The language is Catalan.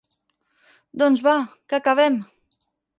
Doncs va, que acabem.